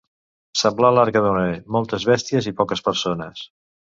Semblar l'arca de Noè: moltes bèsties i poques persones.